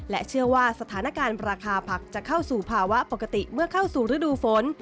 เชื่อว่าสถานการณ์ราคาผักจะเข้าสู่ภาวะปกติเมื่อเข้าสู่ฤดูฝน